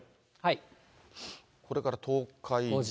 これから東海で。